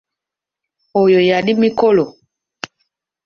Oyo yali Mikolo.